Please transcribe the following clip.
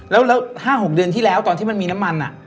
แล้ว๕๖เดือนที่แล้วตอนที่มันมีน้ำมัน